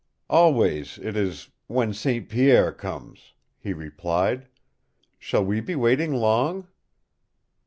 "Always it is 'When St. Pierre comes,'" he replied. "Shall we be waiting long?"